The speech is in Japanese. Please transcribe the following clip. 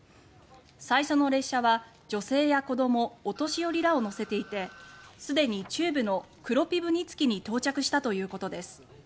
最初の列車は女性や子どもお年寄りらを乗せていてすでに中部のクロピブニツキに到着したということです。